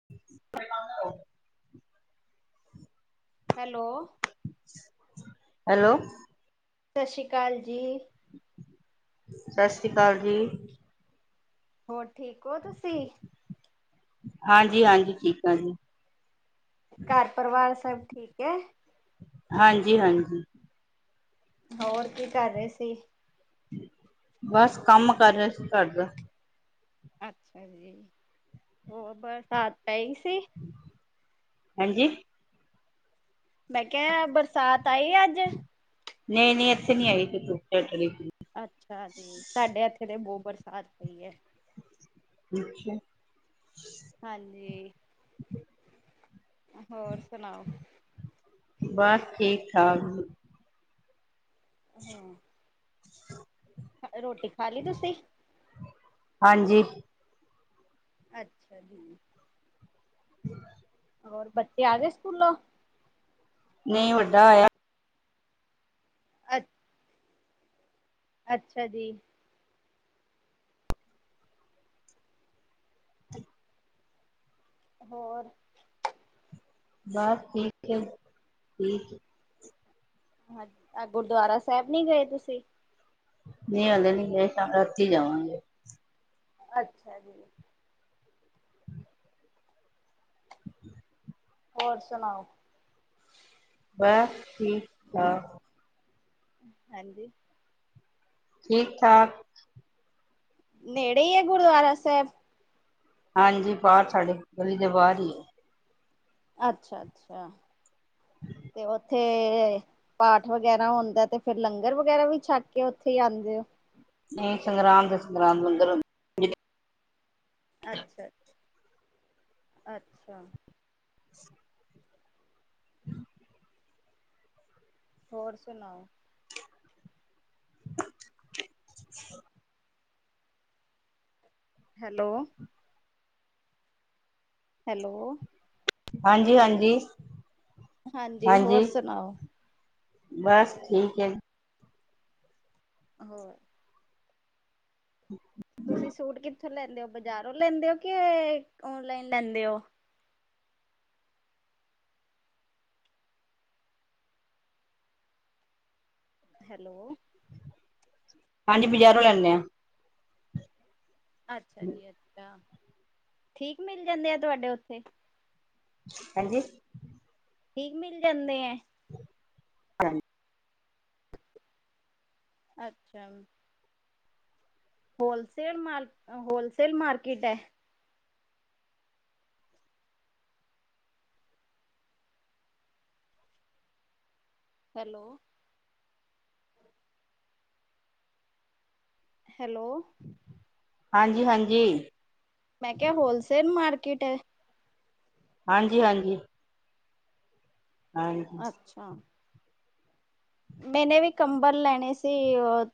[unintelligible] Hello, hello, ਸਤਿ ਸ਼੍ਰੀ ਅਕਾਲ ਜੀ। ਸਤਿ ਸ਼੍ਰੀ ਅਕਾਲ ਜੀ। ਹੋਰ ਠੀਕ ਹੋ ਤੁਸੀਂ? ਹਾਂਜੀ-ਹਾਂਜੀ ਠੀਕ ਆ ਜੀ। ਘਰ ਪਰਿਵਾਰ ਸਭ ਠੀਕ ਹੈ। ਹਾਂਜੀ- ਹਾਂਜੀ। ਹੋਰ ਕੀ ਕਰ ਰਹੇ ਸੀ। ਬਸ, ਕੰਮ ਕਰ ਰਿਹਾ ਸੀ ਘਰ ਦਾ। ਅੱਛਾ ਜੀ, ਹੋਰ ਬਰਸਾਤ ਪਈ ਸੀ? ਹਾਂਜੀ। ਮੈਂ ਕਿਹਾ, ਬਰਸਾਤ ਆਈ ਆ ਅੱਜ? ਨਹੀਂ -ਨਹੀਂ ਇੱਥੇ ਨੀ ਆਈ। ਅੱਛਾ ਜੀ। ਸਾਡੇ ਹੱਥੇ ਤੇ ਬਹੁ ਬਰਸਾਤ ਪਈ ਹੈ। ਅੱਛਾ। ਹਾਂਜੀ। [inaudible] ਹੋਰ ਸੁਣਾਓ? ਬਸ, ਠੀਕ-ਠਾਕ। ਹਾਂ [inaudible] ਰੋਟੀ ਖਾ ਲਈ ਤੁਸੀਂ? ਹਾਂਜੀ। ਅੱਛਾ ਜੀ। ਹੂੰ, [inaudible] ਹੋਰ ਬੱਚੇ ਆ ਸਕੂਲੋ? ਨਹੀਂ, ਵੱਡਾ ਆਇਆ। ਅੱ ਅੱਛਾ ਜੀ। [inaudible] ਹੋਰ? ਬਸ, ਠੀਕ ਹੈ ਠੀਕ। ਗੁਰਦੁਆਰਾ ਸਾਹਿਬ ਨੀ ਗਏ ਤੁਸੀਂ? ਨੀ ਹਲੇ ਨੀ ਗਏ, ਰਾਤ ਹੀ ਜਾਵਾਂਗੇ। ਅੱਛਾ ਜੀ। ਹੋਰ ਸੁਣਾਓ? ਬਸ, ਠੀਕ -ਠਾਕ। ਹਾਂਜੀ। ਠੀਕ -ਠਾਕ। ਨੇੜੇ ਹੀ ਹੈ ਗੁਰਦੁਆਰਾ ਸਾਹਿਬ। ਹਾਂਜੀ, ਬਾਹਰ ਸਾਡੇ ਗਲੀ ਦੇ ਬਾਹਰ ਹੀ ਹੈ। ਅੱਛਾ-ਅੱਛਾ ਤੇ ਉਥੇ, ਤੇ, ਪਾਠ ਵਗੈਰਾ ਹੁੰਦਾ, ਤੇ ਫੇਰ ਲੰਗਰ ਵਗੈਰਾ ਵੀ ਛੱਡ ਕੇ ਉੱਥੇ ਹੀ ਆਂਦੇ ਹੋ। ਨਹੀਂ, ਸੰਗਰਾਂਦ ਦੇ ਸੰਗਰਾਂਦ ਲੰਗਰ ਅੱਛਾਜੀ, ਅੱਛਾ- ਅੱਛਾ। ਹੋਰ ਸੁਣਾਓ? [inaudible] ਹੈਲੋ, ਹੈਲੋ, ਹਾਂਜੀ-ਹਾਂਜੀ। ਹਾਂਜੀ, ਹੋਰ ਸੁਣਾਓ? ਬਸ ਠੀਕ ਹੈ ਜੀ, ਹੋਰ? ਹੂੰ, ਤੁਸੀਂ ਸੂਟ ਕਿੱਥੋਂ ਲੈਂਦੇ ਹੋ, ਬਜ਼ਾਰੋਂ ਲੈਂਦੇ ਹੋ, ਕਿ ਔਨਲਾਈਨ ਲੈਂਦੇ ਹੋ। ਹੈਲੋ, ਹਾਂਜੀ, ਬਜ਼ਾਰੋਂ ਲੈਂਦੇ ਹਾਂ। ਅੱਛਾ ਜੀ, ਅੱਛਾ ਠੀਕ ਮਿਲ ਜਾਂਦੇ, ਆ ਤੁਹਾਡੇ ਉੱਥੇ ਹਾਂਜੀ। ਠੀਕ ਮਿਲ ਜਾਂਦੇ। ਹਾਂ, ਅੱਛਾ, ਹੋਲਸੇਲ ਮਾਰਕ, ਹੋਲਸੇਲ ਮਾਰਕੀਟ ਹੈ। ਹੈਲੋ, ਹੈਲੋ, ਹਾਂਜੀ-ਹਾਂਜੀ। ਮੈਂ ਕਿਹਾ, ਹੋਲਸੇਲ ਮਾਰਕੀਟ ਹੈ। ਹਾਂਜੀ-ਹਾਂਜੀ। ਅੱਛਾ। ਮੈਨੇ ਵੀ ਕੰਬਲ ਲੈਣੇ ਸੀ।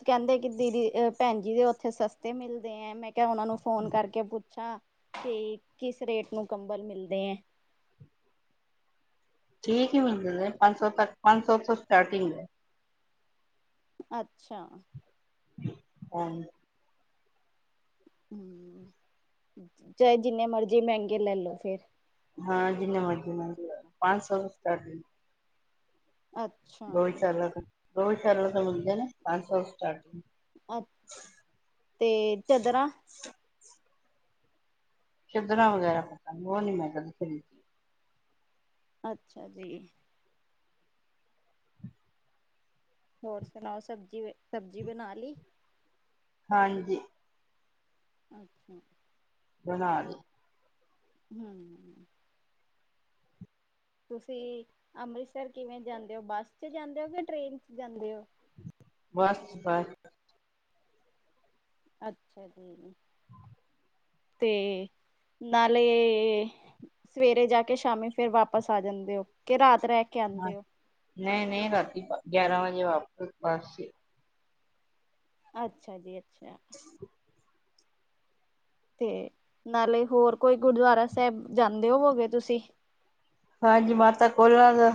ਕਹਿੰਦੇ ਕਿ ਦੀਦੀ ਭੈਣ ਜੀ ਦੇ ਉੱਥੇ ਸਸਤੇ ਮਿਲਦੇ ਹੈ। ਮੈਂ ਭੈਨਾਂ ਨੂੰ ਫੋਨ ਕਰਕੇ ਪੁੱਛਾਂ ਕਿ, ਕਿਸ ਰੇਟ ਨੂੰ ਕੰਬਲ ਮਿਲਦੇ ਹੈ। ਠੀਕ ਹੀ ਮਿਲਦੇਦੇ। ਪੰਜ ਸੌ ਤੱਕ, ਪੰਜ ਸੌ ਤੋਂ ਸਟਾਰਟਿੰਗ ਹੈ। ਅੱਛਾ। ਹਾਂ। ਹਮ, ਚਾਹੇ ਜਿੰਨੇ ਮਰਜ਼ੀ ਮਹਿੰਗੇ ਲੈ ਲੋ ਫੇਰ। ਹਾਂ, ਜਿੰਨੇ ਮਰਜ਼ੀ ਮੈਹਗੇਜ ਪੰਜ ਸੌ ਸਟਾਰ। ਅ ਗਾਊਸ਼ਾਲਾ ਤੋਂ, ਗਊਸ਼ਾਲਾ ਤੋ ਮਿਲਦੇ ਨੇ ਪੰਜ ਸੌ ਸਟਾਰਟ ਅੱ ਤੇ ਚਾਦਰਾਂ ਚਦਰਾ ਵਗੈਰਾ ਉਹ ਨੀ ਮੈਂ ਕਦੇ ਖਰੀਦੀ। ਅੱਛਾ ਜੀ। ਹੋਰ ਸੁਣਾਓ ਸਬਜ਼ੀ-ਸਬਜ਼ੀ ਬਣਾ ਲਈ? ਹਾਂਜੀ। ਅੱਛਾ। ਬਨਾ ਲਈ। ਹਮ। ਤੁਸੀਂ ਅੰਮ੍ਰਿਤਸਰ ਕਿਵੇਂ ਜਾਂਦੇ ਹੋ ਬੱਸ ਚ' ਜਾਂਦੇ ਹੋ ਕਿ ਟ੍ਰੇਨ ਚ ਜਾਂਦੇ ਹੋ। ਬਸ-ਬਸ। ਅੱਛਾ ਜੀ ਜ ਤੇ ਨਾਲੇ ਸਵੇਰੇ ਜਾ ਕੇ ਸ਼ਾਮੀ ਫਿਰ ਵਾਪਸ ਆ ਜਾਂਦੇ ਹੋ ਕੇ ਰਾਤ ਰਹਿ ਕੇ ਆਉਂਦੇ ਹੋ। ਨਹੀਂ-ਨਹੀਂ ਰਾਤੀ ਗਿਆਰਾਂ ਵਜੇ ਵਾਪਰ ਬਸ ਚ'। ਅੱਛਾ ਜੀ, ਅੱਛਾ। [inaudible] ਤੇ ਨਾਲੇ ਹੋਰ ਕੋਈ ਗੁਰਦੁਆਰਾ ਸਾਹਿਬ ਜਾਂਦੇ ਹੋਵੋਗੇ ਤੁਸੀਂ ਹਾਂਜੀ, ਮਾਤਾ ਕੋਲਾਂ ਦਾ,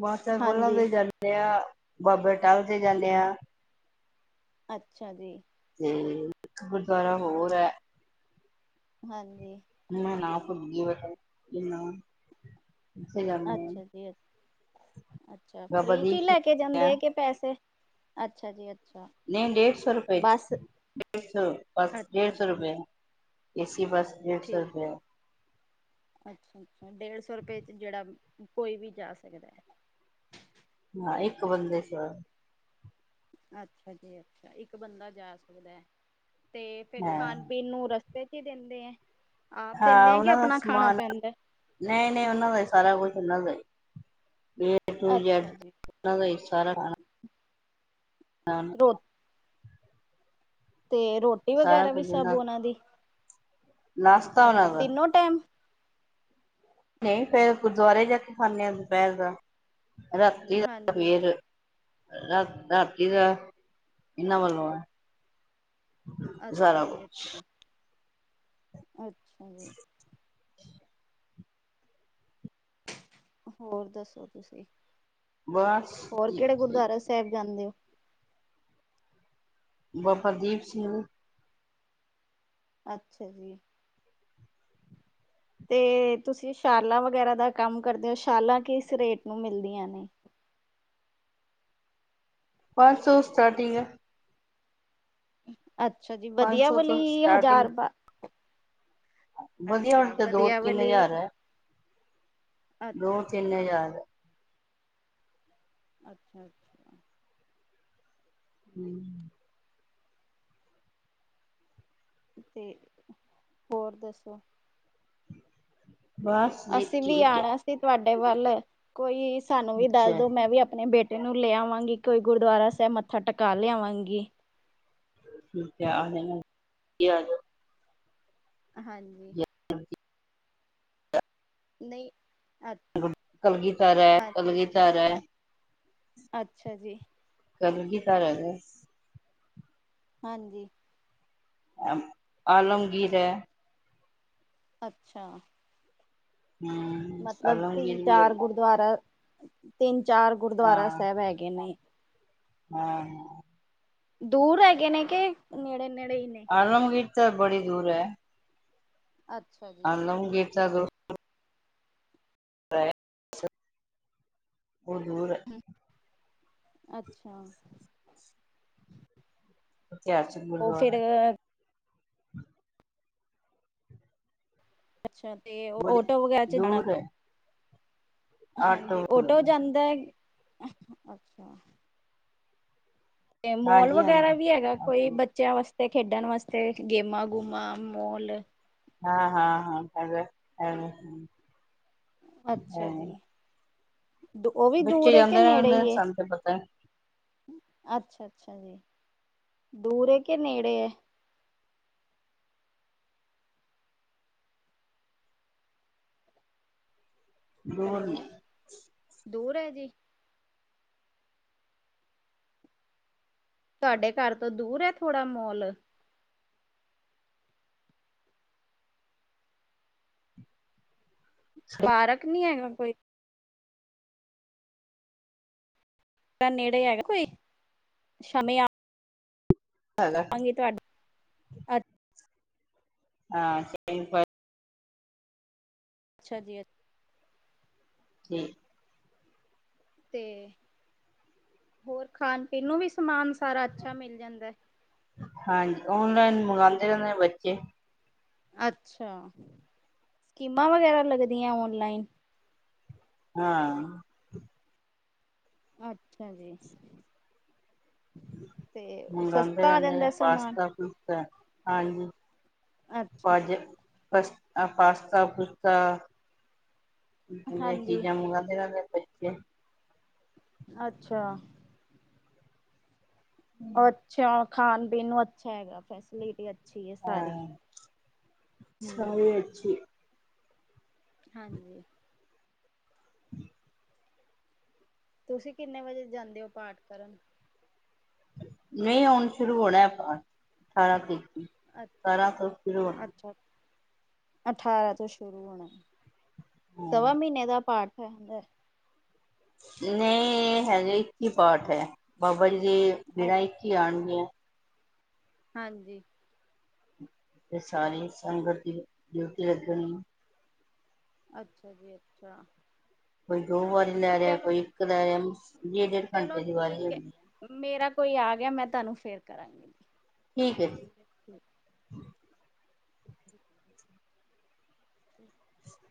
ਮਾਤਾ ਕੋਲਾਂ ਹਾਂਜੀ ਦੇ ਜਾ ਜਾਂਦੇ ਆ। ਬਾਬਾ ਅਟਾਲ ਤੇ ਜਾਂਦੇ ਹਾਂ। ਅੱਛਾ ਜੀ। ਤੇ ਇੱਕ ਗੁਰਦੁਆਰਾ ਹੋਰ ਹੈ। ਹਾਂਜੀ। ਮੈ ਨਾਮ ਭੁਲ ਗਈ। ਅੱਛਾ ਜੀ ਅੱਛਾ, ਬਾਬਾ ਫ੍ਰੀ ਚ ਹੀ ਦੀਪ ਲੈ ਕੇ ਸਿੰਘ ਜਾਂਦੇ ਆ ਕਿ, ਪੈਸੇ ਅੱਛਾ ਜੀ, ਅੱਛਾ ਨਹੀਂ, ਡੇਢ ਸੌ ਰੁਪਏ ਬਸ ਬਸ, ਡੇਢ ਅੱਛਾ ਸੌ ਰੁਪਏ ਏਸੀ ਬੱਸ, ਡੇਢ ਸੌ ਠੀਕ ਰੁਪਆ ਅੱਛਾ-ਅੱਛਾ ਡੇਢ ਸੌ ਰੁਪਏ ਚ, ਜਿਹੜਾ ਕੋਈ ਵੀ ਜਾ ਸਕਦਾ ਹੈ ਹਾਂ, ਇੱਕ ਬੰਦੇ ਸਵਾਰੀ ਅੱਛਾ ਜੀ, ਅੱਛਾ ਇੱਕ ਬੰਦਾ ਜਾ ਸਕਦਾ ਹੈ। ਤੇ ਫਿਰ ਹਾਂ ਖਣ ਪੀਣ ਨੂੰ, ਰਸਤੇ ਚ ਹੀ ਦਿੰਦੇ ਆ ਆਪ ਦਿੰਦੇ ਆ ਕਿ ਆਪਣਾ, ਖਾਣਾ ਪੈਂਦਾ ਨਹੀਂ--ਨਹੀਂ ਉਹਨਾਂ ਦਾ ਹੀ ਸਾਰਾ ਕੁਛ ਉਹਨਾਂ ਦਾ, ਹੀ ਜ ਅੱਛਾ ਜੀ ਦਾ ਸਾਰਾ ਖਾਣਾ [inaudible] ਰੋ ਤੇ ਰੋਟੀ ਸਾਰਾ ਵਗੈਰਾ ਵੀ, ਕੁਝ ਸਭ ਉਹਨਾਂ ਦੀ ਨਾਸ਼ਤਾ ਅੱਛਾ ਉਹਨਾਂ ਦਾ ਤਿੰਨੋ ਟਾਈਮ ਨਹੀਂ ਫੇਰ ਗੁਰਦੁਆਰੇ, ਜਾ ਕੇ ਖਾਣੇ ਆ ਦੁਪਹਿਰ ਦਾ, ਰਾਤੀ ਦਾ ਹਾਂਜੀ ਫੇਰ ਰਾ ਰਾਤੀ ਦਾ, ਇਹਨਾਂ ਵੱਲੋਂ ਆ ਅੱਛਾ ਸਾਰਾ ਜੀ ਕੁਛ ਅੱਛਾ ਅੱਛਾ ਜੀ। [unintelligible] ਹੋਰ ਦੱਸੋ ਤੁਸੀਂ? ਬਸ ਹੋਰ ਕਿਹੜੇ ਗੁਰਦੁਆਰਾ ਸਾਹਿਬ ਜਾਂਦੇ ਹੋ? ਬਾਬਾ ਦੀਪ ਸਿੰਘ, ਅੱਛਾ ਜੀ, ਤੇ ਤੁਸੀਂ, ਸ਼ਾਲਾਂ ਵਗੈਰਾ ਦਾ ਕੰਮ ਕਰਦੇ ਹੋ? ਸ਼ਾਲਾਂ ਕਿਸ ਰੇਟ ਨੂੰ ਮਿਲਦੀਆਂ ਨੇ ਪੰਜ ਸੌ, ਸਟਾਰਟਿੰਗ ਹੈ ਅੱਛਾ ਜੀ, ਪੰਜ ਵਧੀਆ ਸੌ ਵਾਲੀ ਤੋਂ ਹੀ ਸਟਾਰਟਿੰਗ ਹਜ਼ਾਰ ਵਧੀਆ ਵਾਲੀ ਅੱਛਾ ਤੇ, ਦੋ ਵਧੀਆ ਤਿੰਨ ਵਾਲੀ ਹਜ਼ਾਰ ਹੈ। ਦੋ ਅੱਛਾ ਤਿੰਨ ਜੀ ਹਜ਼ਾਰ, ਅੱਛਾ ਅੱਛਾ ਹੂੰ, [inaudible] ਤੇ ਹੋਰ ਦੱਸੋ? ਬਸ ਜੀ ਅਸੀਂ ਵੀ ਠੀਕ ਹੈ ਆਣਾ ਸੀ, ਤੁਹਾਡੇ ਵੱਲ ਕੋਈ ਸਾਨੂੰ ਵੀ ਦੱਸ ਅੱਛਾ ਦੋ, ਮੈਂ ਵੀ ਆਪਣੇ ਬੇਟੇ ਤੈਨੂੰ ਲੈ ਆਵਾਂਗੀ, ਕੋਈ ਗੁਰਦੁਆਰਾ ਸਾਹਿਬ ਮੱਥਾ, ਟਕਾ ਲਿਆਵਾਂਗੀ। ਜੇ ਆਣਾ ਈ ਤੇ, ਆ ਜਾਓ ਹਾਂਜੀ, ਜੀ। ਨਹੀਂ, ਅ ਕਲਗੀ ਧਰ ਹੈ, ਹਾਂ, ਕਲਗੀ ਧਰ ਹੈ। ਅੱਛਾ ਜੀ। ਕਲਗੀ ਧਰ ਐ। ਸੀ। ਹਾਂਜੀ। ਆਲਮਗੀਰ ਏ ਅੱਛਾ ਹੂੰ, [inaudible] ਮਤਲਬ, ਤਿੰਨ ਚਾਰ ਗੁਰ ਤਿੰਨ, ਚਾਰ ਗੁਰਗੁਆਰਾ ਸਾਹਿਬ ਹੈਗੇ ਨੇ ਹਾਂ ਦੂਰ ਹੈਗੇ ਨੇ, ਕਿ ਨੇੜੇ--ਨੇੜੇ ਹੀ ਨੇ? ਆਲਮਗੀਰ, ਤਾਂ ਬੜੀ ਦੂਰ ਹੈ ਅੱਛਾ ਜੀ, ਆਲਮਗੀਰ ਚੱਲੋ ਉਹ ਦੂਰ ਹੈ ਅੱਛਾ। ਇਤਿਹਾਸਿਕ ਉਹ ਫਿਰ ਗੁਰਦੁਆਰਾ। ਅੱਛਾ ਤੇ, ਆਟੋ ਵਗੈਰਾ'ਚ ਜਾਣਾ ਹਾਂਜੀ, ਓਟੋ ਜਾਂਦਾ ਏ, ਅੱਛਾ। ਤੇ ਮੌਲ ਵਗੈਰਾ ਵੀ ਹੈਗਾ ਕੋਈ, ਬੱਚਿਆਂ ਵਾਸਤੇ? ਖੇਡਣ ਵਾਸਤੇ, ਗੇਮਾਂ-ਗੂਮਾ, ਮੌਲ ਹਾ, ਹਾ, ਹਾਂ, ਹੈਗਾ, ਹੈਗਾ। ਅੱਛਾ ਹੈਗਾ ਜੀ, ਉਹ ਵੀ ਬੱਚੇ ਦੂਰ ਏ, ਕਿ ਜਾਂਦੇ ਨੇ ਨੇੜੇ ਹੁੰਦੇ ਨੇ, ਹੀ? ਸਾਨੂੰ ਤੇ ਪਤਾ ਹੈ, ਅੱਛਾ ਅੱਛਾ ਜੀ ਦੂਰ, ਹੈ ਕਿ ਨੇੜੇ ਦੂਰ ਨੇ ਹੈਲੋ, ਦੂਰ ਹੈ ਹੈਗਾ? ਤੁਹਾਡੇ, ਘਰ ਤੋਂ ਦੂਰ ਥੋੜਾ ਮੋਲ ਫਰਕ ਨਹੀਂ ਹੈਗਾ, ਕੋਈ? ਨੇੜੇ ਹੈਗਾ ਕੋਈ, ਸ਼ਮੇ ਆ ਹੈਗਾ। ਤੁਹਾਡੇ ਹਾਂ, ਸਹੀਂ ਪਰ ਅੱਛਾ ਜੀ, ਅੱ ਕੀ? ਤੇ, ਹੋਰ ਖਾਣ-ਪੀਣ ਨੂੰ ਵੀ ਸਮਾਨ, ਸਾਰਾ ਅੱਛਾ ਮਿਲ ਜਾਂਦਾ? ਹਾਂਜੀ, ਓਨਲਾਈਨ ਮੰਗਾਂਦੇ ਰਹਿੰਦੇ ਨੇ, ਬੱਚੇ। ਅੱਛਾ, ਸਕੀਮਾਂ ਵਗੈਰਾ ਲੱਗਦੀਆਂ, ਓਨਲਾਈਨ? ਹਾਂ ਅੱਛਾ ਜੀ। ਤੇ ਮੰਗਾਂਦੇ ਸਸਤਾ ਆ ਰਹਿੰਦੇ ਨੇ, ਜਾਂਦਾ ਸਮਾਨ। ਪਾਸਤਾ-ਪੁਸਤਾ ਹਾਂਜੀ। ਅੱਛਾ। ਅੱਜ ਪਾਸਤਾ-ਪੁਸਤਾ ਇਹੋ ਜੀਆ ਹਾਂਜੀ। ਚੀਜ਼ਾਂ, ਮੰਗਵਾਦੇ ਰਹਿੰਦੇ ਬੱਚੇ। ਅੱਛਾ। ਉਹ ਅੱਛਾ, ਖਾਣ-ਪੀਣ ਨੂੰ ਅੱਛੀਆਂ ਹੈਗੀਆਂ, ਫੈਸਿਲਿਟੀ ਅੱਛੀ ਏ ਸਾਰੀ। ਹਾਂ ਹੂੰ ਸਾਰੇ ਅੱਛੀ ਹਾਂਜੀ। ਤੁਸੀਂ ਕਿੰਨੇ ਵਜੇ ਜਾਂਦੇ ਹੋ, ਪਾਠ ਕਰਨ? ਨਹੀਂ ਹੁਣ‌ ਸ਼ੁਰੂ ਹੋਣਾ ਪਾਠ, ਅਠਾਰਾਂ ਤਰੀਕ ਤੋਂ। ਅੱ, ਸਤਾਰਾਂ ਸ਼ੁਰੂ ਹੋਣਾ ਅੱਛਾ। ਅਠਾਰਾ ਤੋਂ ਸ਼ੁਰੂ ਹੋਣਾ, ਸਵਾ ਮਹੀਨੇ ਦਾ ਪਾਠ ਹੈ ਹੁੰਦਾ? ਨਹੀਂ ਇਹ ਹੈਗੇ ਇੱਕੀ ਪਾਠ ਹੈ, ਬਾਬਾ ਜੀ ਦੇ ਅ ਜਿਹੜਾ ਇੱਕੀ ਆਣਗੀਆਂ। ਹਾਂਜੀ। ਤੇ ਸਾਰੇ ਸੰਗਤ ਦੀ, ਡਿਊਟੀ ਲੱਗਣੀ। ਅੱਛਾ ਜੀ, ਅੱਛਾ। ਕੋਈ ਦੋ ਵਾਰੀ ਲੈ ਰਿਹਾ, ਚਲੋ ਕੋਈ ਇੱਕ ਲੈ ਰਿਹਾ, ਡੇਢ-ਡੇਢ ਚਲੋ ਘੰਟੇ ਦੀ ਵਾਰੀ ਠੀਕ ਹੈ। ਹੈਗੀ। ਮੇਰਾ ਕੋਈ ਆਗਿਆ, ਮੈਂ ਤੁਹਾਨੂੰ ਫੇਰ ਕਰਾਂਗੀ। ਠੀਕ ਏ, ਜੀ। [inaudible] [inaudible]